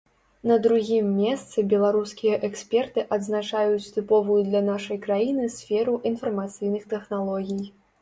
На другім месцы беларускія эксперты адзначаюць тыповую для нашай краіны сферу інфармацыйных тэхналогій.